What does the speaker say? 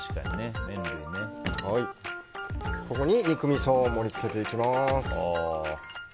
ここに肉みそを盛り付けていきます。